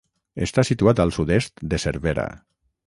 Està situat al sud-est de Cervera.